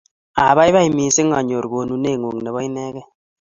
Apaipai missing' anyor konuneng'ung' ne po inekey.